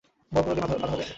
বল প্রয়োগে বাধাও দেয়।